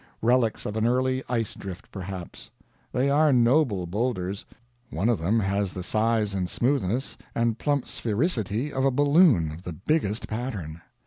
Relics of an early ice drift, perhaps. They are noble boulders. One of them has the size and smoothness and plump sphericity of a balloon of the biggest pattern.